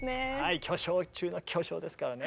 巨匠中の巨匠ですからね。